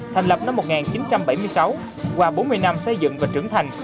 thành lập năm một nghìn chín trăm bảy mươi sáu qua bốn mươi năm xây dựng và trưởng thành